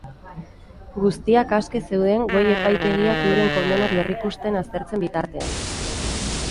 Guztiak aske zeuden goi epaitegiak euren kondenak berrikusten aztertzen bitartean.